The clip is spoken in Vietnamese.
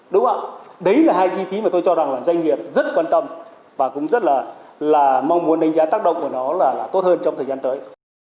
đúng không đấy là hai chi phí mà tôi cho rằng là doanh nghiệp rất quan tâm và cũng rất là mong muốn đánh giá tác động của nó là tốt hơn trong thời gian tới